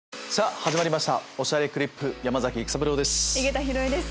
始まりました『おしゃれクリップ』山崎育三郎です。